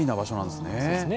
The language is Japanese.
そうですね。